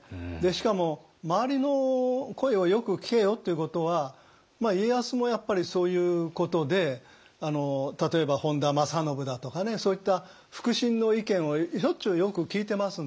しかも周りの声をよく聞けよっていうことは家康もやっぱりそういうことで例えば本多正信だとかねそういった腹心の意見をしょっちゅうよく聞いてますんで。